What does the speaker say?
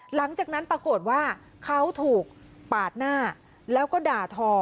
หลังจากนั้นปรากฏว่าเขาถูกปาดหน้าแล้วก็ด่าทอ